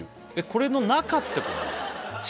これの中ってこと？